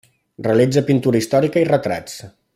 Realitza pintura històrica i retrats.